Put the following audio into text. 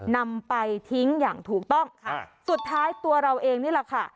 นำไปทิ้งอย่างถูกต้องค่ะสุดท้ายตัวเราเองนี่แหละค่ะ